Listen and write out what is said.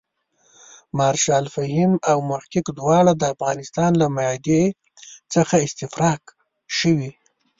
مارشال فهیم او محقق دواړه د افغانستان له معدې څخه استفراق شوي.